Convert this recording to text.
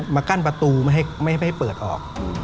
มากั้นประตูไม่ให้เปิดออก